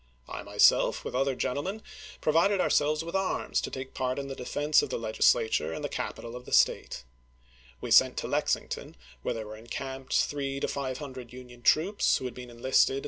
I myself, with other gentle men, provided om selves with arms to take part in the defense of the Legislature and the capital of the State. We sent to Lexington, where there were encamped three to five hundred Union troops, who had been enlisted in 244 ABBAHAM LINCOLN Chap. XII.